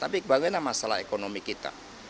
tapi bagaimana masalah ekonomi kita